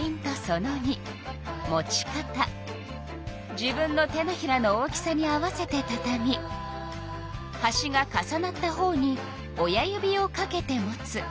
自分の手のひらの大きさに合わせてたたみはしが重なったほうに親指をかけて持つ。